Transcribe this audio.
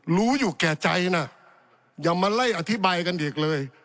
รู้อยู่แก่ใจนะอย่ามาไล่อธิบายกันอีกเลย